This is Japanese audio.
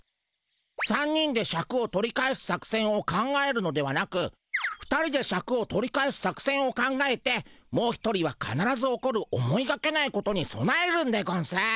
３人でシャクを取り返す作せんを考えるのではなく２人でシャクを取り返す作せんを考えてもう一人はかならず起こる思いがけないことにそなえるんでゴンス。